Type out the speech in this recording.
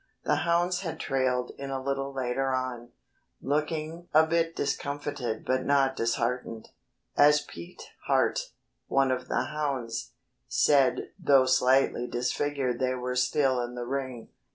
The hounds had trailed in a little later on, looking a bit discomfited but not disheartened. As Pete Hart, one of the hounds, said "though slightly disfigured they were still in the ring."